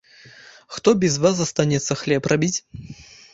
Хто без вас застанецца хлеб рабіць?